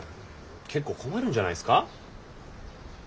結構困るんじゃないですか？